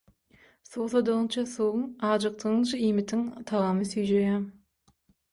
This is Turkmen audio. Suwsadygyňça suwuň, ajykdygyňça iýmitiň tagamy süýjeýär.